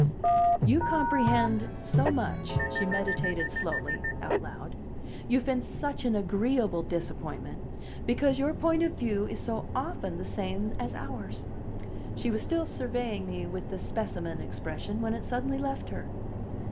"You comprehend so much," she meditated slowly, aloud; "you've been such an agreeable disappointment, because your point of view is so often the same as ours." She was still surveying me with the specimen expression, when it suddenly left her.